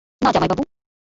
না, জামাইবাবু।